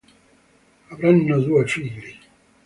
Avranno due figli.